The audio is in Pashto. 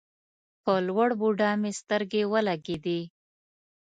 په لوړ بودا مې سترګې ولګېدې.